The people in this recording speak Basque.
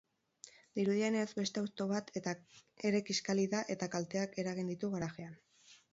Dirudienez, beste auto bat ere kiskali da eta kalteak eragin ditu garajean.